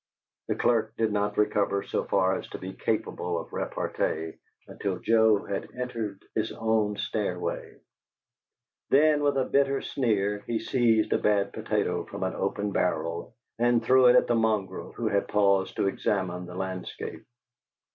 The clerk did not recover so far as to be capable of repartee until Joe had entered his own stairway. Then, with a bitter sneer, he seized a bad potato from an open barrel and threw it at the mongrel, who had paused to examine the landscape.